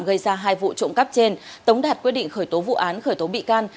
gây ra hai vụ trộm cắp trên tống đạt quyết định khởi tố vụ án khởi tố bị can